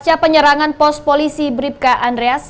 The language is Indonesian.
pada saat penyerangan pos polisi bribka andreas